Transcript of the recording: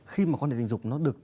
khi mà quan điểm tình dục nó được